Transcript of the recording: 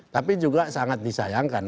tapi juga sangat disayangkan